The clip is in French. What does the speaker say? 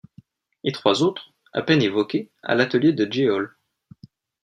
Et trois autres, à peine évoquées, à l'atelier de Jehol.